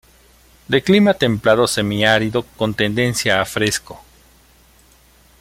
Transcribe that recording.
De clima templado semiárido con tendencia a fresco.